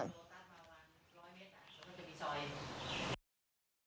ดีค่ะลูกฐานมามารวม๑๐๐เมตรละก็จะมีชอย